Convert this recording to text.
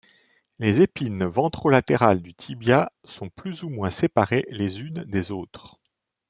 Les épines ventrolatérales du tibia sont plus ou moins séparées les unes des autres.